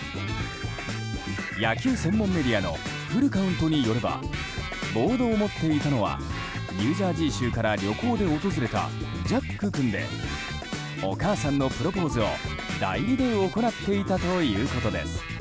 野球専門メディアのフルカウントによればボードを持っていたのはニュージャージー州から旅行で訪れたジャック君でお母さんのプロポーズを代理で行っていたということです。